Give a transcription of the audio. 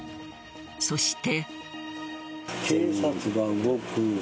そして。